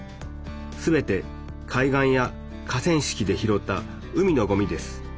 全て海岸や河川敷で拾った海のごみです。